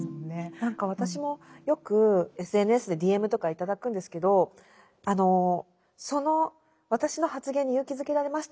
何か私もよくＳＮＳでＤＭとか頂くんですけど「私の発言に勇気づけられました」